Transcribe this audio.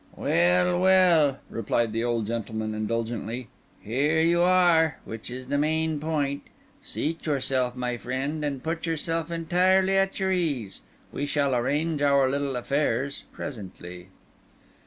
"Well, well," replied the old gentleman indulgently, "here you are, which is the main point. Seat yourself, my friend, and put yourself entirely at your ease. We shall arrange our little affairs presently."